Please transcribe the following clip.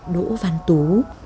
đỗ văn tú